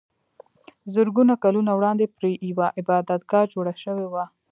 زرګونه کلونه وړاندې پرې یوه عبادتګاه جوړه شوې وه.